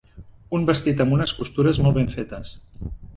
Un vestit amb unes costures molt ben fetes.